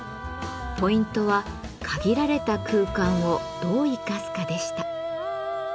ポイントは「限られた空間をどう生かすか」でした。